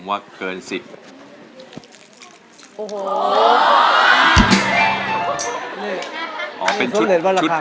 ผมว่าเกิน๑๐อ๋อเป็นชุดก้าวครับ